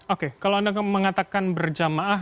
oke kalau anda mengatakan berjamaah